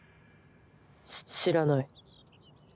し知らない。